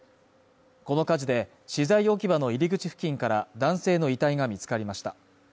この火事で資材置き場の入り口付近から男性の遺体が見つかりました